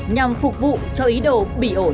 nhằm phục vụ cho ý đồ bị ổi